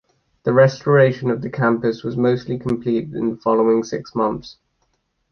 The restoration of the campus was mostly completed in the following six months.